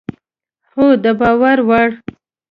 هو، د باور وړ